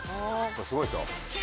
すごいですよ。